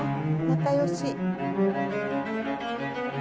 仲よし。